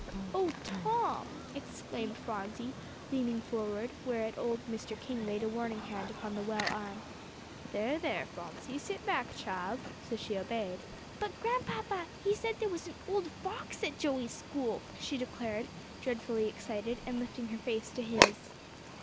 "Oh Tom!" exclaimed Phronsie, leaning forward, whereat old Mr. King laid a warning hand upon the well arm. "There, there, Phronsie; sit back, child;" so she obeyed. "But, Grandpapa, he said there was an old fox at Joey's school," she declared, dreadfully excited, and lifting her face to his.